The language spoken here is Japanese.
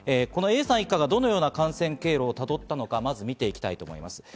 Ａさん一家がどのような感染経路をとったのか見ていきたいと思います。